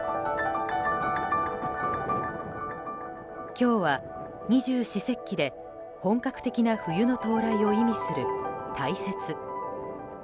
今日は二十四節気で本格的な冬の到来を意味する大雪。